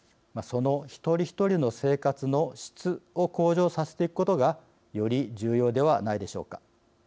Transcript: その一人一人の生活の質を向上させていくことがより重要ではないでしょうか。